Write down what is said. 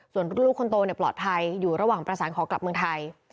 ส่วนลูกคนโตปลอดภัยอยู่ระหว่างประสานขอกลับเมืองไทย